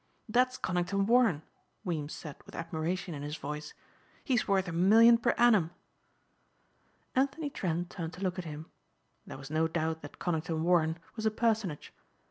"That's Conington Warren," Weems said with admiration in his voice, "he's worth a million per annum." Anthony Trent turned to look at him. There was no doubt that Conington Warren was a personage.